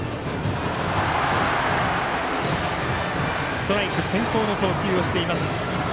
ストライク先行の投球をしています。